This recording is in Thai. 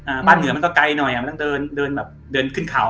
บ้านเหนือมันก็ไกลหน่อยอ่ะมันต้องเดินเดินแบบเดินขึ้นเขา